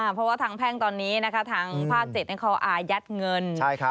เพราะว่าทางแพ่งตอนนี้นะครับทางภาคเจ็ดเขาอายัดเงิน